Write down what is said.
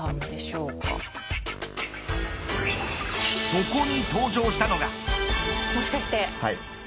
そこに登場したのが。